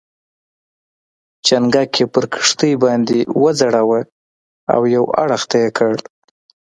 چنګک یې پر کښتۍ باندې وځړاوه او یو اړخ ته یې کړ.